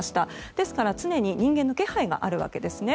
ですから常に人間の気配があるわけですね。